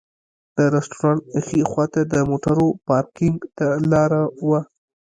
د رسټورانټ ښي خواته د موټرو پارکېنګ ته لاره وه.